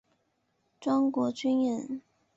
庄国钧人。